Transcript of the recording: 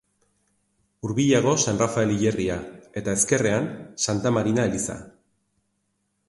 Hurbilago San Rafael hilerria eta, ezkerrean, Santa Marina eliza.